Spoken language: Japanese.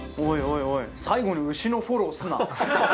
おい最後に牛のフォローすな。